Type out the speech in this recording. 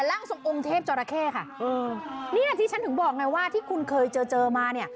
ร่างทรงองเทพจราเคค่ะนี่ที่ฉันถึงบอกนัยว่าที่คุณเคยเจอมา